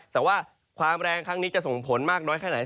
แต่ว่าความแรงครั้งนี้จะส่งผลมากน้อยแค่ไหน